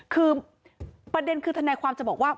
คือประเด็นคือทนายความจะบอกว่า